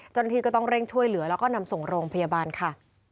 เจ้าหน้าที่ก็ต้องเร่งช่วยเหลือแล้วก็นำส่งโรงพยาบาลค่ะ